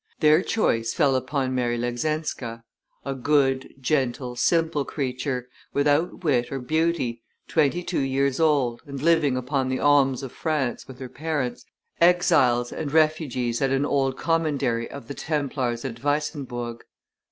Their choice fell upon Mary Leckzinska, a good, gentle, simple creature, without wit or beauty, twenty two years old, and living upon the alms of France with her parents, exiles and refugees at an old commandery of the Templars at Weissenburg.